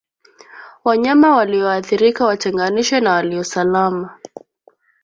Wanyama walioathirika watenganishwe na walio salama